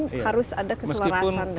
ini harus ada keselarasan dan pemahaman